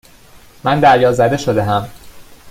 من دریازده شدهام.